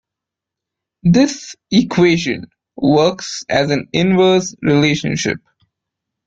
This equation works as an inverse relationship.